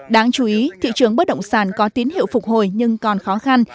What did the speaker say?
đáng chú ý thị trường bất động sản có tín hiệu phục hồi nhưng còn khó khăn